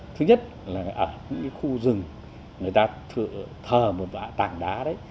thứ nhất là ở những khu rừng người ta thở một vạ tảng đá đấy